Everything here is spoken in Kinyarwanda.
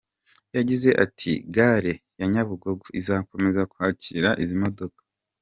Yagize ati " Gare ya Nyabugogo izakomeza kwakira izi modoka.